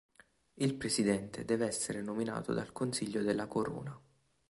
Il presidente deve essere nominato dal Consiglio della Corona.